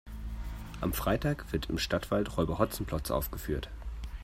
Am Freitag wird im Stadtwald Räuber Hotzenplotz aufgeführt.